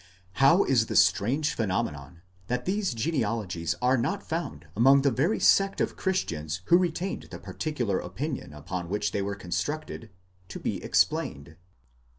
How is the strange phenomenon, that these genealogies are not found among that very sect of Christians who retained the particular opinion upon which they were constructed, to be explained?